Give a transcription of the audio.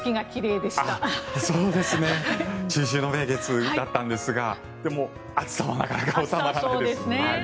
中秋の名月だったんですがでも、暑さはなかなか収まらないですね。